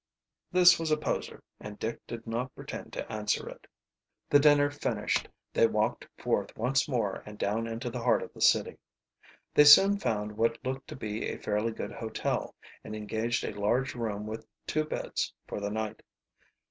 This was a poser and Dick did not pretend to answer it. The dinner finished, they walked forth once more and down into the heart of the city. They soon found what looked to be a fairly good hotel, and engaged a large room with two beds for the night.